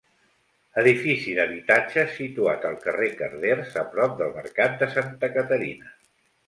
Edifici d'habitatges situat al carrer Carders, a prop del mercat de Santa Caterina.